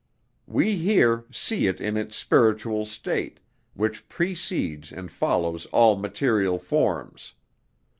We here see it in its spiritual state, which precedes and follows all material forms.